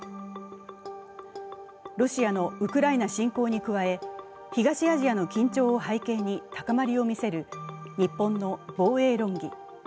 ロシアのウクライナ侵攻に加え、東アジアの緊張を背景に高まりを見せる日本の防衛論議。